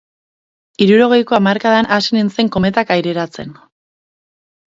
Hirurogeiko hamarkadan hasi nintzen kometak aireratzen.